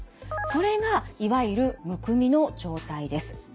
それがいわゆるむくみの状態です。